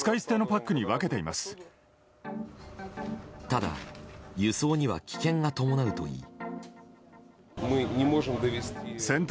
ただ、輸送には危険が伴うといい。